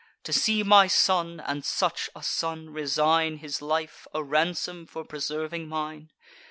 To see my son, and such a son, resign His life, a ransom for preserving mine!